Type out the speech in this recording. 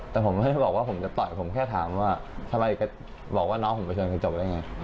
แต่ผมไม่ได้บอกว่าผมจะต่อยผมแค่ถามว่าทำไมแกบอกว่าน้องผมไปชนใครจบได้ไง